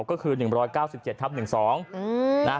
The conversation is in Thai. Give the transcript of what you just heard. ก็คือ๑๙๗ทับ๑๒